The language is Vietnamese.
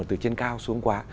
từ trên cao xuống quá